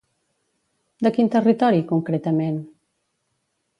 De quin territori, concretament?